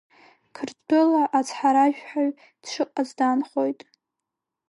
Қырҭтәыла ацҳаражәҳәаҩ дшыҟац даанхоит.